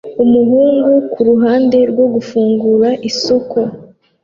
Umuhungu kuruhande rwo gufungura isoko